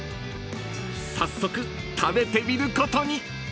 ［早速食べてみることに］